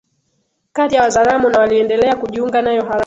Kati ya Wazaramo na waliendelea kujiunga nayo haraka